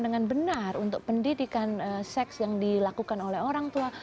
dengan benar untuk pendidikan seks yang dilakukan oleh orang tua